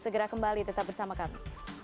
segera kembali tetap bersama kami